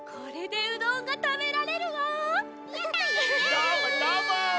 どーもどーも！